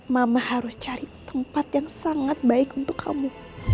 mama harus cari tempat yang sangat baik untuk kamu